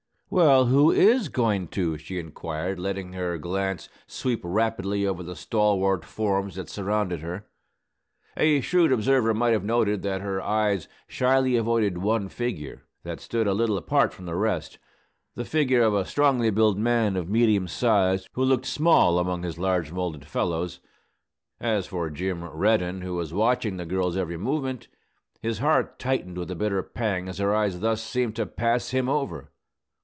"Well, who is goin' to?" she inquired, letting her glance sweep rapidly over the stalwart forms that surrounded her. A shrewd observer might have noted that her eyes shyly avoided one figure, that stood a little apart from the rest, the figure of a strongly built man of medium size, who looked small among his large moulded fellows. As for Jim Reddin, who was watching the girl's every movement, his heart tightened with a bitter pang as her eyes thus seemed to pass him over.